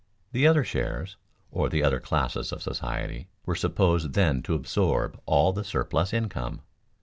The other shares (or the other classes of society) were supposed then to absorb all the surplus income.